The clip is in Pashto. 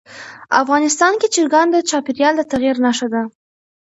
افغانستان کې چرګان د چاپېریال د تغیر نښه ده.